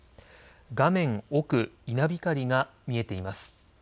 画面奥、稲光が見えています。